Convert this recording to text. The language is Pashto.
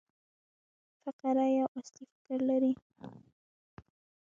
فقره یو اصلي فکر لري.